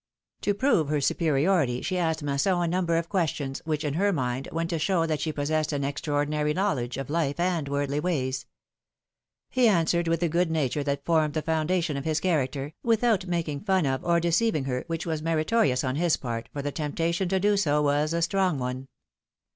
To prove her superiority, she asked Masson a number of questions, which, in her mind, went to show that she possessed an extraordinary knowledge of life and worldly ways. He answered with the good nature that formed the foundation of his character, without making fun of or deceiving her, which was meritorious on his part, for the temptation to do so was a strong one.